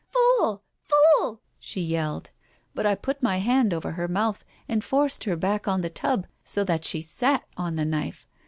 " Fool, fool !" she yelled, but I put my hand over her mouth, and forced her back on the tub, so that she sat on the knife.